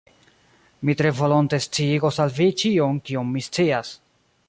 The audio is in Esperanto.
Mi tre volonte sciigos al vi ĉion, kion mi scias.